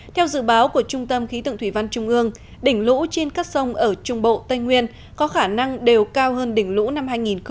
theo dự báo của trung tâm khí tượng thủy văn trung ương đỉnh lũ trên các sông ở trung bộ tây nguyên có khả năng đều cao hơn đỉnh lũ năm hai nghìn một mươi chín